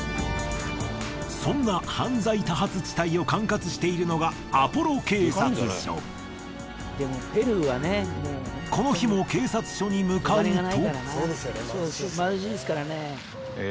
そんな犯罪多発地帯を管轄しているのがこの日も警察署に向かうと。